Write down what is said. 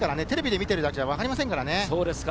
テレビで見てるだけじゃわかりませんからね。